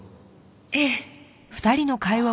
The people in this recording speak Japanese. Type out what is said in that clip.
ええ。